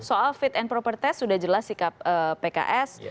soal fit and proper test sudah jelas sikap pks